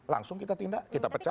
langsung kita tindak kita pecah